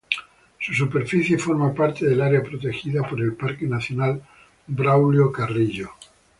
Su superficie forma parte del área protegida por el parque nacional Braulio Carrillo.